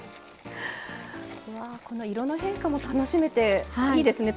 わこの色の変化も楽しめていいですね